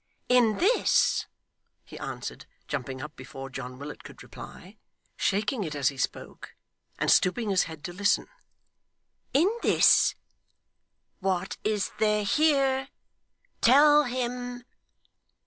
'In this?' he answered, jumping up, before John Willet could reply shaking it as he spoke, and stooping his head to listen. 'In this! What is there here? Tell him!